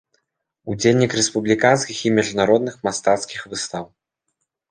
Удзельнік рэспубліканскіх і міжнародных мастацкіх выстаў.